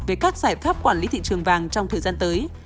về các giải pháp quản lý thị trường vàng trong thời gian tới